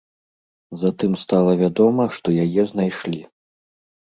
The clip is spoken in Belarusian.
Затым стала вядома, што яе знайшлі.